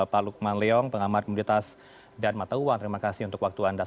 pak lukman leong pengamat komunitas dan mata uang terima kasih untuk waktu anda